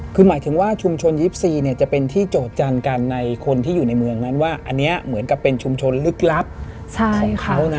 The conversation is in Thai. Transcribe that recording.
คือหมายถึงว่าชุมชน๒๔จะเป็นที่โจทยันกันในคนที่อยู่ในเมืองนั้นว่าอันนี้เหมือนกับเป็นชุมชนลึกลับของเขานะ